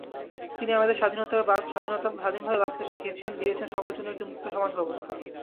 তিনি আমাদের স্বাধীনভাবে বাঁচতে শিখিয়েছেন, দিয়েছেন সবার জন্য একটি মুক্ত সমাজ ব্যবস্থা।